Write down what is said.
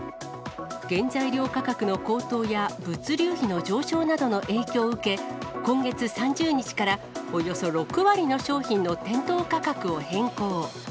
原材料価格の高騰や、物流費の上昇などの影響を受け、今月３０日からおよそ６割の商品の店頭価格を変更。